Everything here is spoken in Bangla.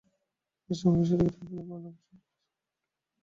এ সময় বিষয়টি টের পেলে চালক ভটভটিসহ বইগুলো রেখে পালিয়ে যান।